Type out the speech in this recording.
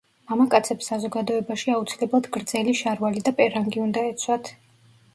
მამაკაცებს საზოგადოებაში აუცილებლად გრძელი შარვალი და პერანგი უნდა ეცვათ.